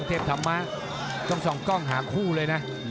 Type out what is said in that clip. ทิ๊บถำมาก็ทองกล้องหาคู่เลยนะ